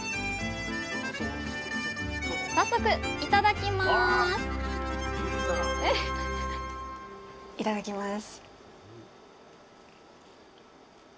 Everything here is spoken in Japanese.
早速いただきますいただきます。